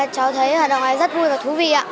cháu thấy hoạt động này rất vui và thú vị